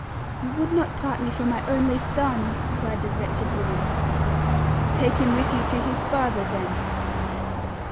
"You would not part me from my only son!" cried the wretched woman. "Take him with you to his father then."